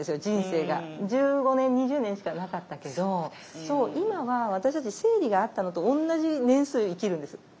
人生が１５年２０年しかなかったけどそう今は私たち生理があったのと同じ年数生きるんです